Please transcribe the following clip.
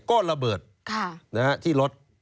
ก็ระเบิดที่รถ